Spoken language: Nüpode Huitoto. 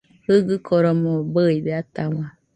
Jɨgɨkoromo bɨide atahau